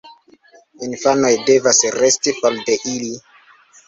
Infanoj devas resti for de ili.